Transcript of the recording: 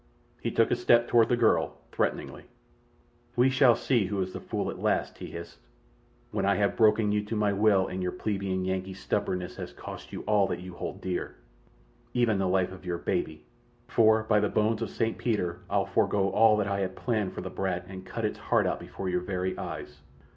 He took a step toward the girl, threateningly. "We shall see who is the fool at last," he hissed, "when I have broken you to my will and your plebeian Yankee stubbornness has cost you all that you hold dear—even the life of your baby—for, by the bones of St. Peter, I'll forego all that I had planned for the brat and cut its heart out before your very eyes.